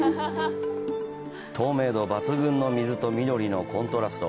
透明度抜群の水と緑のコントラスト。